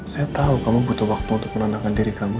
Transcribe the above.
saya tahu kamu butuh waktu untuk menenangkan diri kamu